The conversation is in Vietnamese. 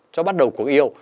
cho bắt đầu cuộc yêu